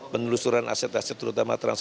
penelusuran aset aset terutama transaksi